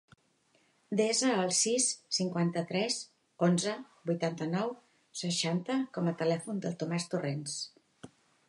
Desa el sis, cinquanta-tres, onze, vuitanta-nou, seixanta com a telèfon del Tomàs Torrents.